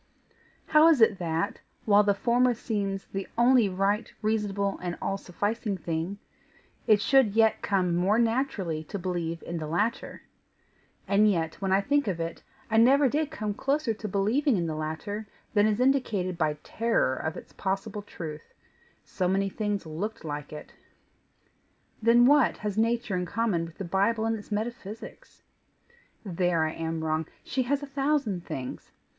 How is it that, while the former seems the only right, reasonable, and all sufficing thing, it should yet come more naturally to believe in the latter? And yet, when I think of it, I never did come closer to believing in the latter than is indicated by terror of its possible truth so many things looked like it. Then, what has nature in common with the Bible and its metaphysics? There I am wrong she has a thousand things.